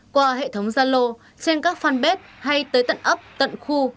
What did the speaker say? qua hệ thống gia lô trên các fanpage hay tới tận ấp tận khu